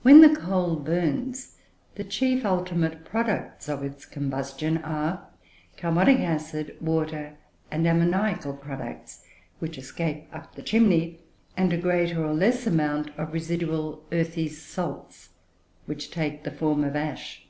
When the coal burns, the chief ultimate products of its combustion are carbonic acid, water, and ammoniacal products, which escape up the chimney; and a greater or less amount of residual earthy salts, which take the form of ash.